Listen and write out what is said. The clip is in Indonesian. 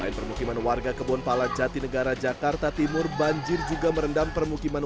lain permukiman warga kebonpala jatinegara jakarta timur banjir juga merendam permukiman